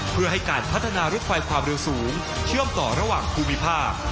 เพื่อให้การพัฒนารถไฟความเร็วสูงเชื่อมต่อระหว่างภูมิภาค